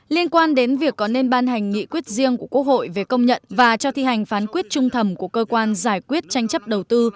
liên quan đến việc có nên ban hành nghị quyết riêng của quốc hội về công nhận và cho thi hành phán quyết trung thầm của cơ quan giải quyết tranh chấp đầu tư